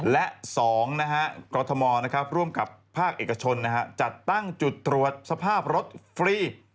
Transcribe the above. และ๒กรทมร่วมกับภาคเอกชนจัดตั้งจุดตรวจสภาพรถฟรี